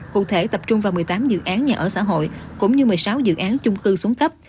cụ thể tập trung vào một mươi tám dự án nhà ở xã hội cũng như một mươi sáu dự án chung cư xuống cấp